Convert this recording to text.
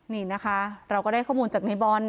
นี่นะคะเราก็ได้ข้อมูลจากในบอล